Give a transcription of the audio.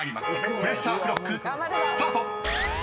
プレッシャークロックスタート！］